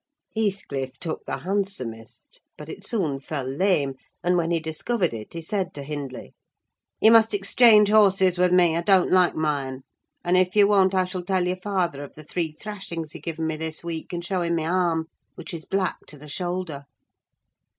Heathcliff took the handsomest, but it soon fell lame, and when he discovered it, he said to Hindley— "You must exchange horses with me: I don't like mine; and if you won't I shall tell your father of the three thrashings you've given me this week, and show him my arm, which is black to the shoulder."